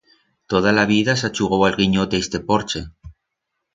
Toda la vida s'ha chugau a'l guinyote a iste porche.